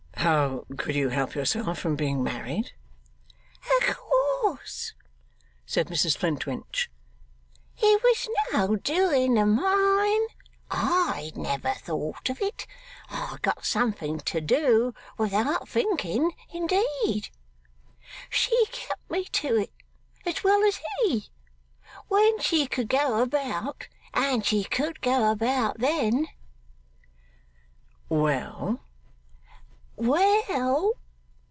'How could you help yourself from being married!' 'O' course,' said Mrs Flintwinch. 'It was no doing o' mine. I'd never thought of it. I'd got something to do, without thinking, indeed! She kept me to it (as well as he) when she could go about, and she could go about then.' 'Well?' 'Well?